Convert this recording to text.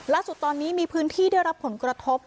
ล่าสุดตอนนี้มีพื้นที่ได้รับผลกระทบ